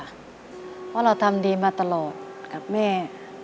เพราะเราทำดีมาตลอดกับแม่